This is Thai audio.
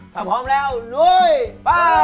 ถ้าพร้อมแล้วลุยไป